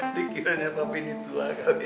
dikiranya papin itu lah kali ya